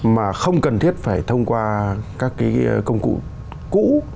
mà không cần thiết phải thông qua các cái công cụ cũ